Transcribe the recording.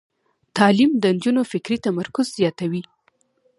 تعلیم د نجونو فکري تمرکز زیاتوي.